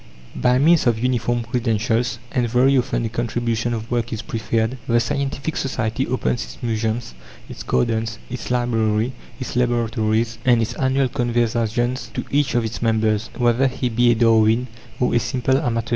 By means of uniform credentials and very often a contribution of work is preferred the scientific society opens its museums, its gardens, its library, its laboratories, and its annual conversaziones to each of its members, whether he be a Darwin, or a simple amateur.